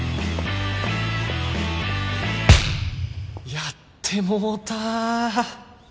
やってもた！